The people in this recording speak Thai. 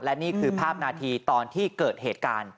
และนี่คือภาพนาทีตอนที่เกิดเหตุการณ์